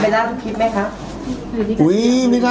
แต่ว่าอันนี้ไม่ได้อันคลิปไหมครับ